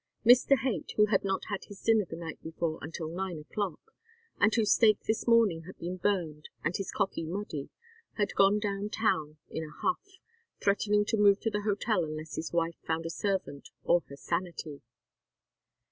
Mr. Haight, who had not had his dinner the night before until nine o'clock, and whose steak this morning had been burned and his coffee muddy, had gone down town in a huff, threatening to move to the hotel unless his wife found a servant or her sanity.